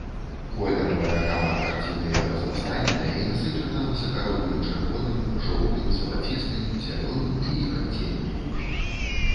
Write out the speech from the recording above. Колеравая гама карціны разнастайная і насычана высакародным чырвоным, жоўтым, залацістым, зялёным і іх адценнямі.